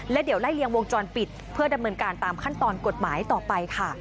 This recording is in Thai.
และเดี๋ยวไล่เลียงวงจรปิดเพื่อดำเนินการตามขั้นตอนกฎหมายต่อไปค่ะ